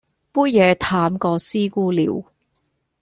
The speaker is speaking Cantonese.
杯野淡過師姑尿